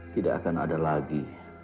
tidak akan ada lagi